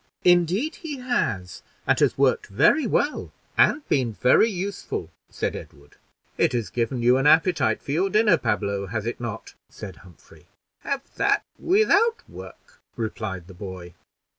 "Indeed he has, and has worked very well, and been very useful," said Edward. "It has given you an appetite for your dinner, Pablo, has it not?" said Humphrey. "Have that without work," replied the boy.